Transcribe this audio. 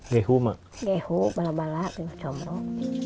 keju bala bala coklat